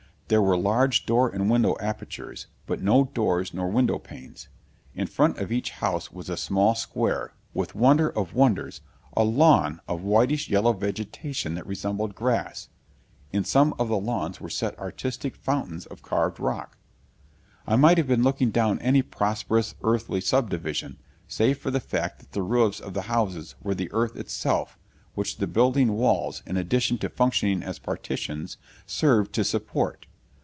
There were large door and window apertures, but no doors nor window panes. In front of each house was a small square with wonder of wonders! a lawn of whitish yellow vegetation that resembled grass. In some of the lawns were set artistic fountains of carved rock. I might have been looking down any prosperous earthly subdivision, save for the fact that the roofs of the houses were the earth itself, which the building walls, in addition to functioning as partitions, served to support.